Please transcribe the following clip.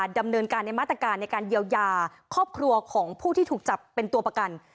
ดำเนินการในมาตรการในการเยียวยาครอบครัวของผู้ที่ถูกจับเป็นตัวประกัน